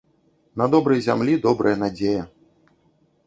На добрай зямлі добрая надзея